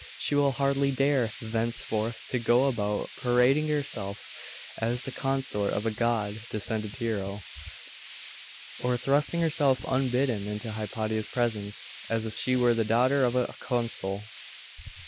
She will hardly dare thenceforth to go about parading herself as the consort of a god descended hero, or thrusting herself unbidden into Hypatia's presence, as if she were the daughter of a consul.